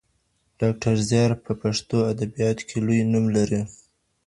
ډاکټر زیار په پښتو ادبیاتو کي لوی نوم لري.